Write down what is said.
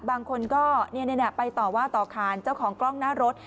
บางคนก็ไปต่อว่าต่อขานเจ้าของกล้องหน้ารถ